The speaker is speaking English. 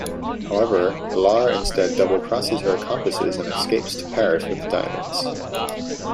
However, Laure instead double-crosses her accomplices and escapes to Paris with the diamonds.